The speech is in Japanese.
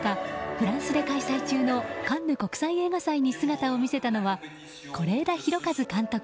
フランスで開催中のカンヌ国際映画祭に姿を見せたのは是枝裕和監督